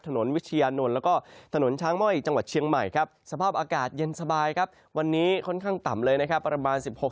ถนนวิชยานนท์แล้วก็ถนนช้างม่อยจังหวัดเชียงใหม่ครับ